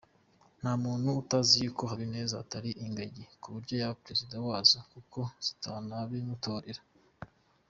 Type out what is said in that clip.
Nta muntu utazi yuko Habineza atari ingagi ku buryo yaba Perezida wazo, kuko zitanabimutorera.